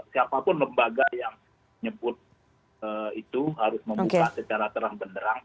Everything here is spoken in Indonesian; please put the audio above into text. siapapun lembaga yang menyebut itu harus membuka secara terang benderang